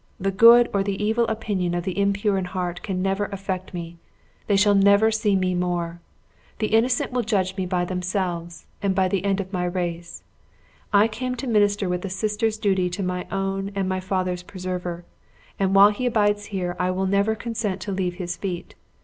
The good or the evil opinion of the impure in heart can never affect me they shall never see me more. The innocent will judge me by themselves, and by the end of my race. I came to minister with a sister's duty to my own and my father's preserver; and while he abides here, I will never consent to leave his feet.